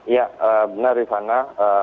ya benar rifana